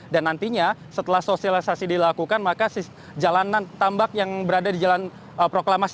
nantinya setelah sosialisasi dilakukan maka jalanan tambak yang berada di jalan proklamasi